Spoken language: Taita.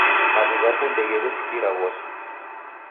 Madu ghapo ndeghiw'eskira ghose